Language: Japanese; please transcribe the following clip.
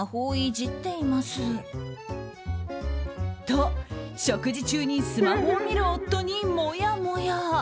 と、食事中にスマホを見る夫にもやもや。